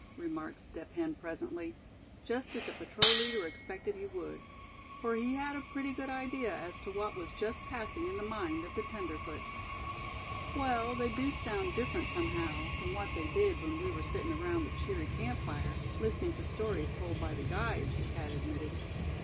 remarked Step Hen, presently, just as the patrol leader expected he would; for he had a pretty good idea as to what was just passing in the mind of the tenderfoot. "Well, they do sound different somehow, from what they did when we were sitting around the cheery camp fire, listening to stories told by the guides," Thad admitted.